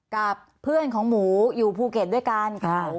กับเพื่อนของหมูอยู่ภูเก็ตด้วยกัน